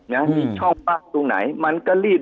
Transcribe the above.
มีช่องว่างตรงไหนมันก็รีด